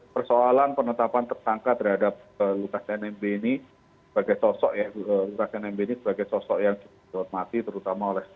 persoalan penetapan tersangka terhadap lukas nmb ini sebagai sosok ya lukas nmb ini sebagai sosok yang dihormati terutama oleh